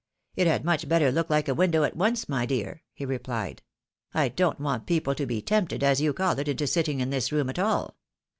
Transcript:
" It had much better look like a window at once, my dear,'' he replied. " I don't want people to be tempted., as you call it, into sitting in this room at all.